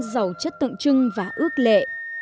giàu chất tượng trưng và ước lệ